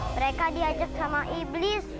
mereka diajak sama iblis